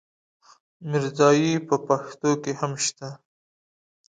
ميرزايي په پښتو کې هم شته.